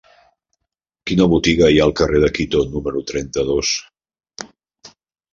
Quina botiga hi ha al carrer de Quito número trenta-dos?